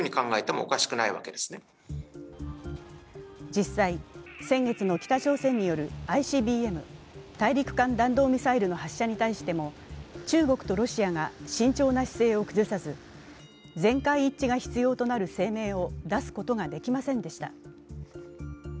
実際、先月の北朝鮮によるＩＣＢＭ＝大陸間弾道ミサイルの発射に対しても中国とロシアが慎重な姿勢を崩さず、全会一致が必要となる声明を出すことができませんでした。